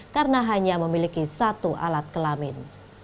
karena hanya memiliki satu alat kelamin